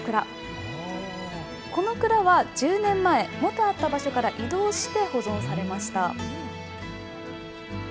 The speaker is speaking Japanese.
この蔵は１０年前、元あった場所から移動して保存されました。